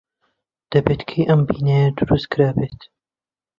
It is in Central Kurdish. دەبێت کەی ئەم بینایە دروست کرابێت.